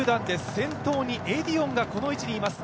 先頭にエディオンがこの位置にいます。